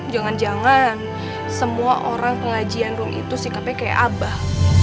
jangan jangan semua orang pengajian rum itu sikapnya kayak abah